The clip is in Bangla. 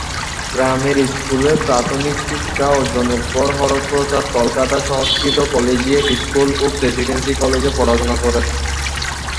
গ্রামের স্কুলে প্রাথমিক শিক্ষা অর্জনের পর হরপ্রসাদ কলকাতার সংস্কৃত কলেজিয়েট স্কুল ও প্রেসিডেন্সি কলেজে পড়াশোনা করেন।